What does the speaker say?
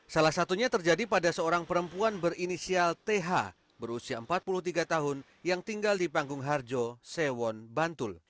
salah satunya terjadi pada seorang perempuan berinisial th berusia empat puluh tiga tahun yang tinggal di panggung harjo sewon bantul